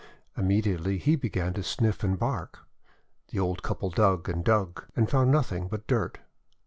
Immediately he began to sniff and bark. The old couple dug and dug, and found nothing but dirt.